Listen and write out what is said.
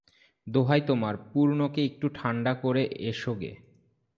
দোহাই তোমার, পূর্ণকে একটু ঠাণ্ডা করে এসোগে।